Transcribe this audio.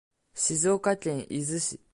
静岡県伊豆市